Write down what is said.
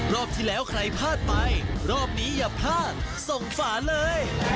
รอบที่แล้วใครพลาดไปรอบนี้อย่าพลาดส่งฝาเลย